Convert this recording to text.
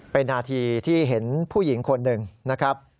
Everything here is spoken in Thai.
เป็นนาทีที่เห็นผู้หญิงคนหนึ่งนะครับ